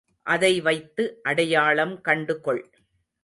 அதை வைத்து அடையாளம் கண்டு கொள்.